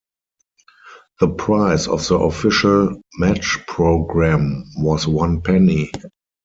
The price of the official Match Programme was one penny.